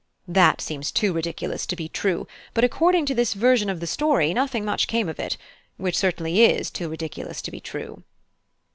That seems too ridiculous to be true; but according to this version of the story, nothing much came of it, which certainly is too ridiculous to be true."